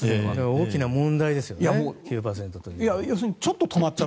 大きな問題ですよね。